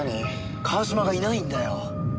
川島がいないんだよ。